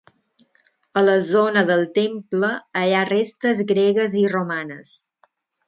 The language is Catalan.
A la zona del temple hi ha restes gregues i romanes.